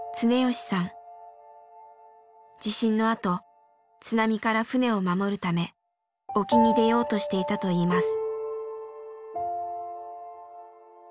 地震のあと津波から船を守るため沖に出ようとしていたといいます。